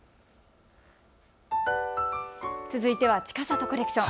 続いては、ちかさとコレクション。